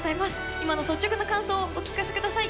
今の率直な感想をお聞かせ下さい。